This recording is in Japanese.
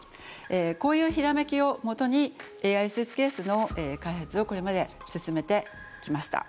こういうひらめきをもとにＡＩスーツケースの開発をこれまで進めてきました。